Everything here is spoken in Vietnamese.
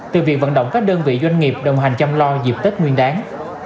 từ việc vận động các đơn vị doanh nghiệp đồng hành chăm lo dịp tết nguyên đáng